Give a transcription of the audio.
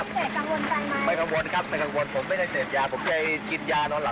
ไม่กังวลครับไม่กังวลผมไม่ได้เสร็จยาผมจะกินยานอนหลับ